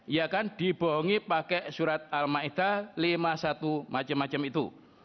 ia kan dibohongi pakai surat al ma'idah lima puluh satu macem macem itu